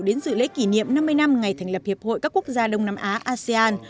đến dự lễ kỷ niệm năm mươi năm ngày thành lập hiệp hội các quốc gia đông nam á asean